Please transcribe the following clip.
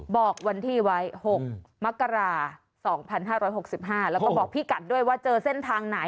บอกวันที่ไว้๖มกรา๒๕๖๕แล้วก็บอกพี่กัดด้วยว่าเจอเส้นทางไหน